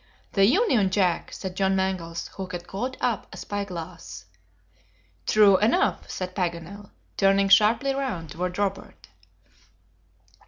"The Union Jack," said John Mangles, who had caught up a spy glass. "True enough," said Paganel, turning sharply round toward Robert.